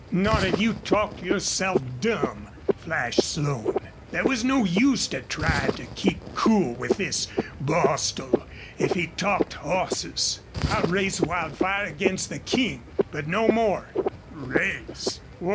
"Not if you talked yourself dumb!" flashed Slone. There was no use to try to keep cool with this Bostil, if he talked horses. "I'll race Wildfire against the King. But no more." "Race!